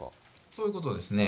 そういうことですね。